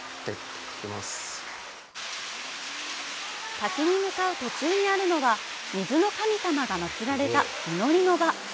滝に向かう途中にあるのは、水の神様が祭られた祈りの場。